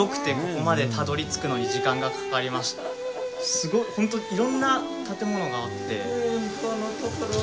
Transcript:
すごいホント色んな建物があって。